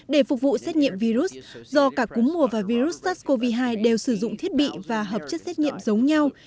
để phục vụ xét nghiệm virus do cả cúm mùa và virus sars cov hai đều sử dụng thiết bị và hợp chất xét nghiệm giống nhau